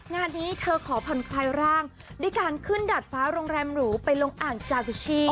งานนี้เธอขอผ่อนคลายร่างด้วยการขึ้นดาดฟ้าโรงแรมหรูไปลงอ่างจาบิชชี